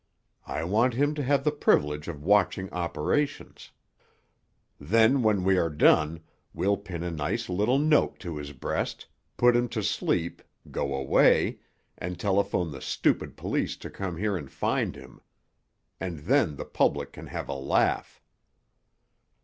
"I want him to have the privilege of watching operations. Then, when we are done, we'll pin a nice little note to his breast, put him to sleep, go away, and telephone the stupid police to come here and find him. And then the public can have a laugh."